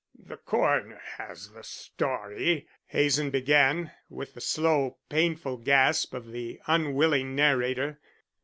"The coroner has the story," Hazen began, with the slow, painful gasp of the unwilling narrator.